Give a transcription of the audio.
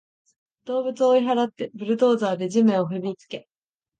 動物を追い払って、ブルドーザーで地面を踏みつけ